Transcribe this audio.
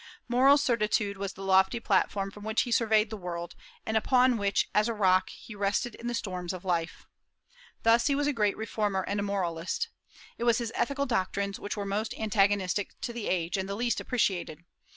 Moral certitude was the lofty platform from which he surveyed the world, and upon which, as a rock, he rested in the storms of life. Thus he was a reformer and a moralist. It was his ethical doctrines which were most antagonistic to the age and the least appreciated.